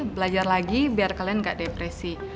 belajar lagi biar kalian gak depresi